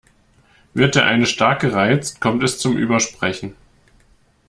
Wird der eine stark gereizt, kommt es zum Übersprechen.